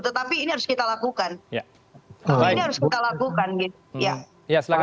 tetapi ini harus kita lakukan